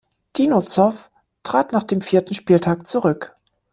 Dino Zoff trat nach dem vierten Spieltag zurück.